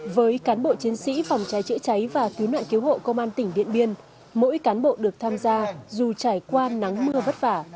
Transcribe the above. với cán bộ chiến sĩ phòng cháy chữa cháy và cứu nạn cứu hộ công an tỉnh điện biên mỗi cán bộ được tham gia dù trải qua nắng mưa vất vả